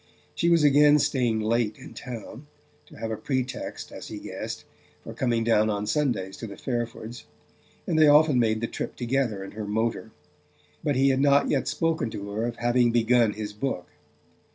She was again staying late in town to have a pretext, as he guessed, for coming down on Sundays to the Fairfords' and they often made the trip together in her motor; but he had not yet spoken to her of having begun his book.